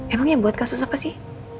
emangnya buat kasus apa sih